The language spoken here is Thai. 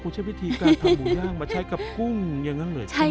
ใช้วิธีการทำหมูย่างมาใช้กับกุ้งอย่างนั้นเลยใช่ไหม